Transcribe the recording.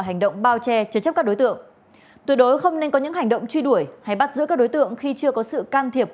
hãy đăng ký kênh để ủng hộ kênh của mình nhé